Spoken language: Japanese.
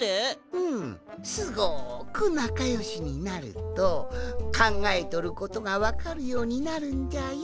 うんすごくなかよしになるとかんがえとることがわかるようになるんじゃよ。